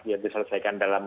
ya diselesaikan dalam